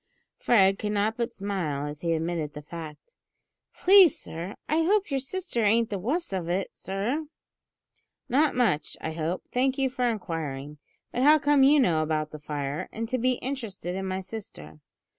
Fred could not but smile as he admitted the fact. "Please, sir, I hope yer sister ain't the wuss of it, sir." "Not much, I hope; thank you for inquiring; but how come you to know about the fire, and to be interested in my sister?"